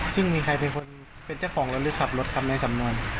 ซึ่งมีใครเป็นใจของรถหรือขับรถขับในสำนวน